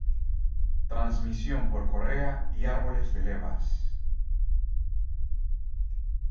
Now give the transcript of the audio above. Transmisión por correa y árboles de levas.